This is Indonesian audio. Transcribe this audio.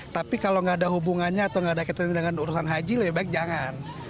tapi kalau nggak ada hubungannya atau nggak ada ketentuan dengan urusan haji lebih baik jangan